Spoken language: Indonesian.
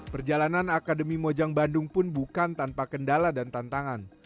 perjalanan akademi mojang bandung pun bukan tanpa kendala dan tantangan